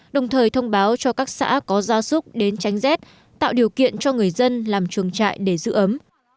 đồng thời thông báo cho các xã có gia súc đến tránh rét tạo điều kiện cho người dân làm chuồng trại để giữ ấm